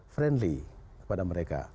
friendly kepada mereka